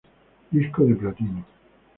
Disco de Platino